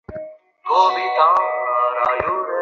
এখানে ঘুরে বেড়ান, সেখানেও তাই।